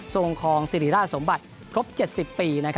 องค์คลองสิริราชสมบัติครบ๗๐ปี